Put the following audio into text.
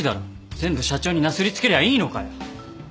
全部社長になすり付けりゃいいのかよ！